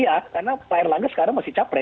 iya karena pak erlangga sekarang masih capres